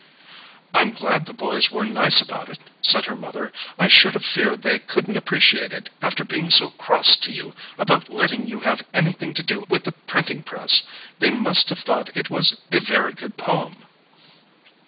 "I'm glad the boys were nice about it," said her mother. "I should have feared they couldn't appreciate it, after being so cross to you about letting you have anything to do with the printing press. They must have thought it was a very good poem."